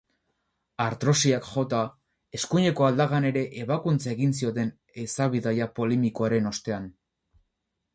Artrosiak jota, eskuineko aldakan ere ebakuntza egin zioten ehiza-bidaia polemikoaren ostean.